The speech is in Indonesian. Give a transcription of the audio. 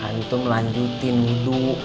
antum lanjutin wudhu